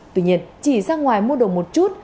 tuy nhiên chỉ sang ngoài mua đồ một chút